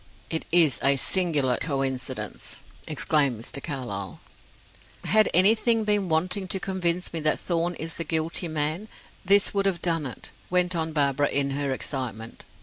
"It is a singular coincidence," exclaimed Mr. Carlyle. "Had anything been wanting to convince me that Thorn is the guilty man, this would have done it," went on Barbara, in her excitement.